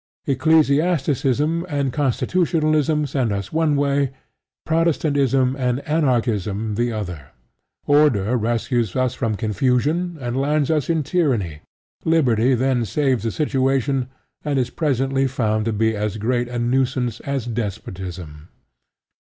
Ecclesiasticism and Constitutionalism send us one way, Protestantism and Anarchism the other; Order rescues us from confusion and lands us in Tyranny; Liberty then saves the situation and is presently found to be as great a nuisance as Despotism.